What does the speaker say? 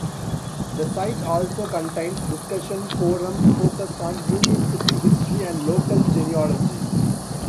The site also contains discussion forums focused on Union City history and local genealogy.